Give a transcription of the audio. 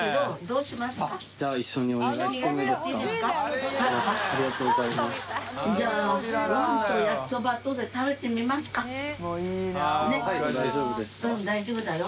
うん大丈夫だよ。